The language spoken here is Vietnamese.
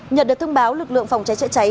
nhật được thông báo lực lượng phòng cháy chạy cháy